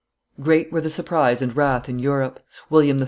475] Great were the surprise and wrath in Europe; William III.